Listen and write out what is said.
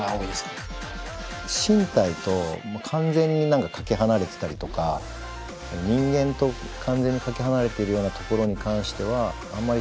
身体と完全に何かかけ離れてたりとか人間と完全にかけ離れているようなところに関してはあんまり興味ないのかな。